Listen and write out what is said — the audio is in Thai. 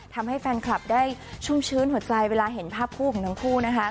ทำให้แฟนคลับได้ชุ่มชื้นหัวใจเวลาเห็นภาพคู่ของทั้งคู่นะคะ